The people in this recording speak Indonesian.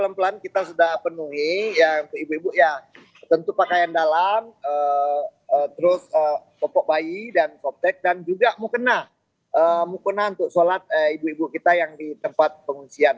pelan pelan kita sudah penuhi ya untuk ibu ibu ya tentu pakaian dalam terus popok bayi dan koptec dan juga mukena mukena untuk sholat ibu ibu kita yang di tempat pengungsian